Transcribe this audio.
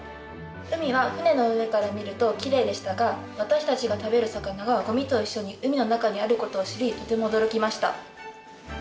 海は船の上から見るときれいでしたが私たちが食べる魚がゴミと一緒に海の中にあることを知りとても驚きました。